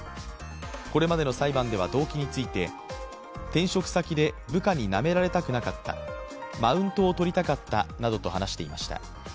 これまでの裁判では動機について、転職先で部下になめられたくなかった、マウントを取りたかったなどと話していました。